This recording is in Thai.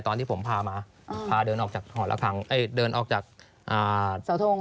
ตอนที่ผมพามาพาเดินออกจากหอละครั้งเดินออกจากเสาทง